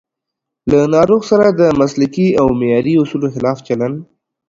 له ناروغ سره د مسلکي او معیاري اصولو خلاف چلند